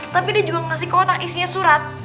tapi dia juga ngasih kuota isinya surat